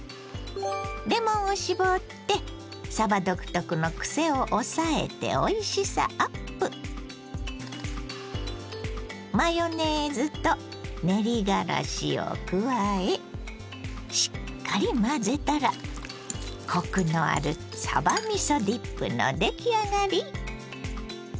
レモンを搾ってさば独特のクセを抑えておいしさアップ！を加えしっかり混ぜたらコクのあるさばみそディップの出来上がり。